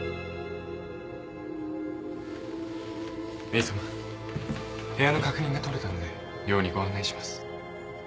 メイさま部屋の確認が取れたので寮にご案内します。